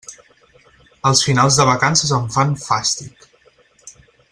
Els finals de vacances em fan fàstic.